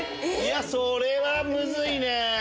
それはムズいね！